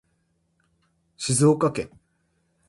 静岡県